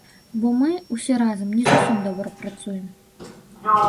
Бо мы, усе разам, не зусім добра працуем.